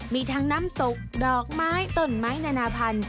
มีทั้งน้ำตกดอกไม้ต้นไม้นานาพันธุ